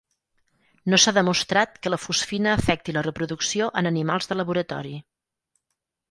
No s'ha demostrat que la fosfina afecti la reproducció en animals de laboratori.